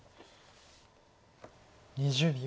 ２０秒。